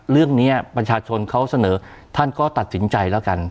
เรื่องนี้ประชาชนเขาเสนอท่านก็ตัดสินใจแล้วกัน